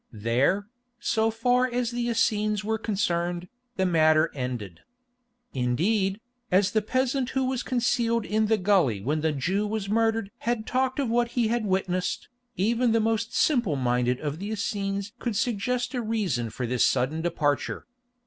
There, so far as the Essenes were concerned, the matter ended. Indeed, as the peasant who was concealed in the gully when the Jew was murdered had talked of what he had witnessed, even the most simple minded of the Essenes could suggest a reason for this sudden departure.